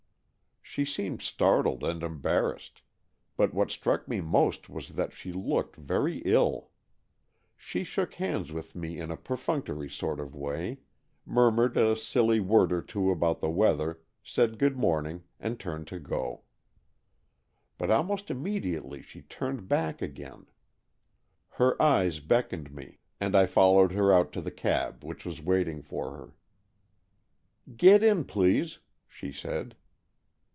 She seemed startled and embarrassed, but what struck me most was that she looked very ill She shook hands with me in a AN EXCHANGE OF SOULS 133 perfunctory sort of way, murmured a silly word or two about the weather, said good morning, and turned to go. But almost immediately she turned back again. Her eyes beckoned me, and I fol lowed her out to the cab which was waiting for her. " Get in, please," she said.